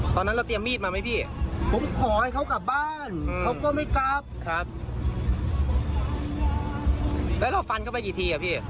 ตอนนั้นเราเตรียมมีดมาไหมพี่